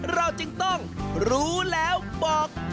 เราจึงต้องรู้แล้วบอก